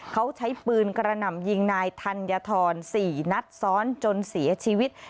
เขาใช้ปืนกระหน่ำยิงนายธัญฑร๔นัดซ้อนจนเสียชีวิต